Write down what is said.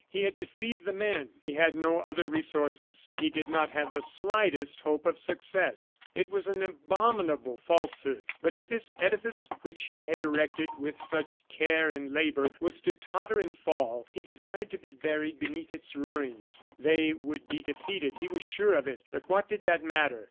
He had deceived the men. He had no other resources. He did not have the slightest hope of success. It was an abominable falsehood. But, if this edifice, which he had erected with such care and labor, was to totter and fall, he desired to be buried beneath its ruins. They would be defeated; he was sure of it, but what did that matter?